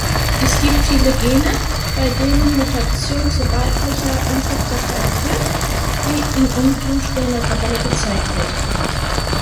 Es gibt viele Gene, bei denen Mutation zu weiblicher Unfruchtbarkeit führt, wie in untenstehender Tabelle gezeigt wird.